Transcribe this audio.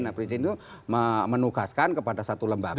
nah presiden itu menugaskan kepada satu lembaga